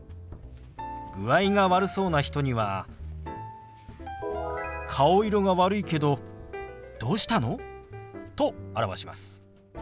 具合が悪そうな人には「顔色が悪いけどどうしたの？」と表します。